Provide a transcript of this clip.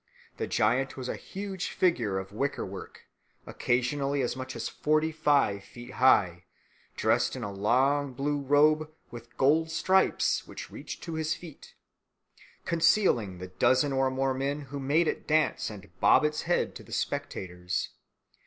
The giant was a huge figure of wicker work, occasionally as much as forty five feet high, dressed in a long blue robe with gold stripes, which reached to his feet, concealing the dozen or more men who made it dance and bob its head to the spectators.